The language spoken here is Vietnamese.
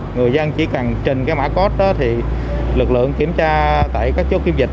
người dân chỉ cần trên cái mã code đó thì lực lượng kiểm tra tại các chốt kiểm dịch